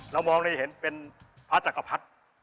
เรามองในเห็นเป็นพระธรรกฤษ